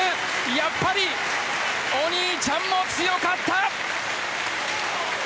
やっぱりお兄ちゃんも強かった！